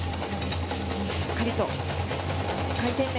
しっかりと回転面。